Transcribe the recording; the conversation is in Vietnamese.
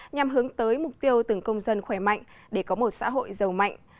nhằm hướng tới mục tiêu từng công dân khỏe mạnh để có một xã hội giàu mạnh